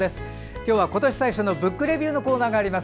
今日は今年最初の「ブックレビュー」のコーナーがあります。